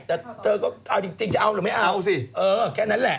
แต่เธอก็เอาจริงจะเอาหรือไม่เอาสิเออแค่นั้นแหละ